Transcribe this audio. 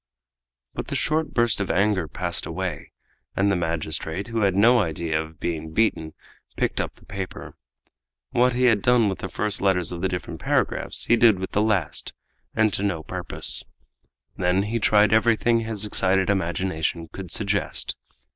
But the short burst of anger passed away, and the magistrate, who had no idea of being beaten, picked up the paper. What he had done with the first letters of the different paragraphs he did with the last and to no purpose. Then he tried everything his excited imagination could suggest.